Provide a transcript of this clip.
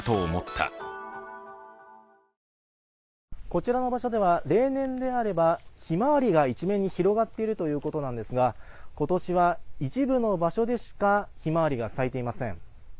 こちらの場所では、例年であればひまわりが一面に広がっているということですが、今年は、一部の場所でしかひまわりが咲いていません。